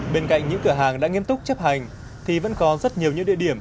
bên cạnh những cửa hàng đã nghiêm túc chấp hành thì vẫn có rất nhiều những địa điểm